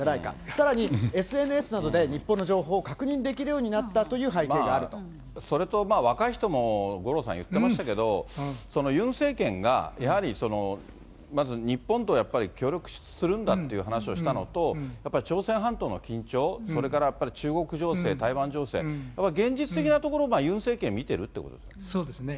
さらにＳＮＳなどで日本の情報を確認できるようになったという背それと、若い人も五郎さん、言ってましたけど、ユン政権がやはり、まず、日本とやっぱり協力するんだっていう話をしたのと、やっぱり朝鮮半島の緊張、それからやっぱり中国情勢、台湾情勢、現実的なところ、ユン政権、そうですね。